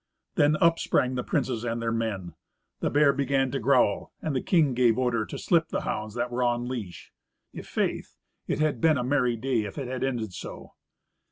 Then up sprang the princes and their men. The bear began to growl, and the king gave order to slip the hounds that were on leash. I'faith, it had been a merry day if it had ended so.